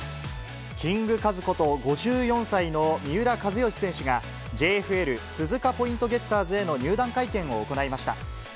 キングカズこと、５４歳の三浦知良選手が、ＪＦＬ・鈴鹿ポイントゲッターズへの入団会見を行いました。